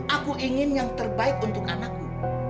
aku ingin yang terbaik untuk anakku